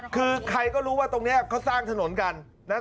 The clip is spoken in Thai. คือใครก็รู้ว่าตรงนี้เขาสร้างถนนกันนะครับ